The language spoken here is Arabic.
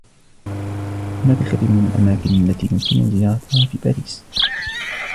هناك الكثير من الأماكن التي يمكن زيارتها في باريس.